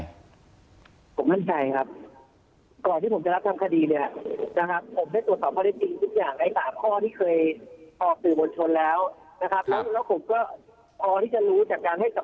ผมมั่นใจครับก่อนที่ผมจะทำคดีเนี่ยนะครับ